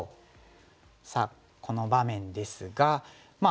さあこの場面ですが。